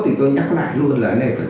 thì tôi nhắc lại luôn là